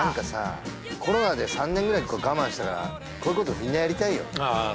コロナで３年ぐらい我慢したからこういうことみんなやりたいよああ